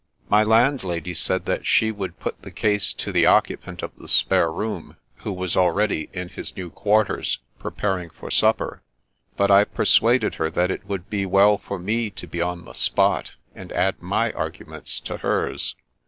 My landlady said that she would put the case to the occupant of the spare room, who was already in his new quarters, preparing for supper, but I per suaded her that it would be well for me to be on the spot, and add my arguments to hers.